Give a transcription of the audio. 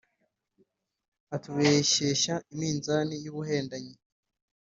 atubeshyeshya iminzani y’ubuhendanyi,